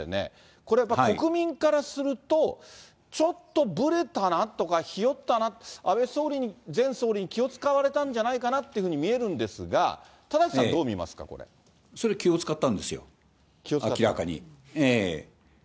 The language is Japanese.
これやっぱ国民からすると、ちょっとぶれたなとか、日和ったな、安倍前総理に気を遣われたんじゃないかなって見えるんですが、田崎さん、どう見ますか、それ、気を遣ったんですよ、明らかに。